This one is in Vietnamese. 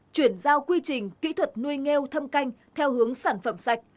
chuyển giao quy trình kỹ thuật nuôi nghêu thâm canh theo hướng sản phẩm sạch